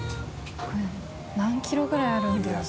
これ何ｋｇぐらいあるんだろう？